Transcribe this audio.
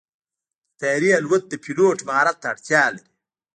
د طیارې الوت د پيلوټ مهارت ته اړتیا لري.